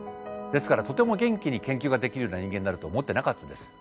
ですからとても元気に研究ができるような人間になると思ってなかったです。